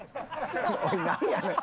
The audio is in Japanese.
おいなんやねん！